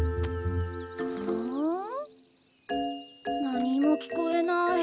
何も聞こえない。